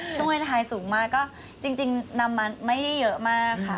ช่วงเวลาไทยสูงมากก็จริงนำมาไม่ได้เยอะมากค่ะ